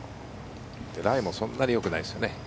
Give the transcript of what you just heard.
ライもそんなによくないですよね。